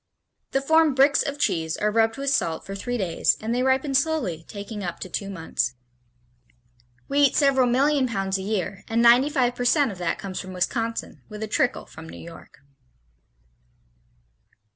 The formed "bricks" of cheese are rubbed with salt for three days and they ripen slowly, taking up to two months. We eat several million pounds a year and 95 percent of that comes from Wisconsin, with a trickle from New York.